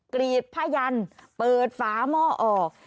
กรีดผ้ายันเปิดฝาหม้อออก